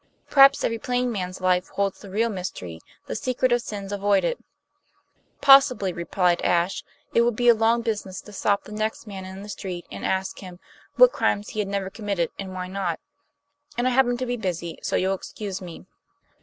Perhaps every plain man's life holds the real mystery, the secret of sins avoided." "Possibly," replied Ashe. "It would be a long business to stop the next man in the street and ask him what crimes he never committed and why not. And I happen to be busy, so you'll excuse me."